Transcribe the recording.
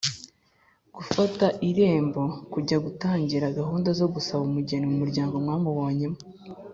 gufata irembo: kujya gutangira gahunda zo gusaba umugeni mu muryango mwamubonyemo